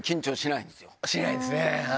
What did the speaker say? しないですね。